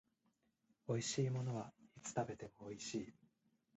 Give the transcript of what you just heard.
美味しいものはいつ食べても美味しい